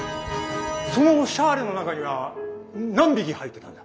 そのシャーレの中には何匹入ってたんだ？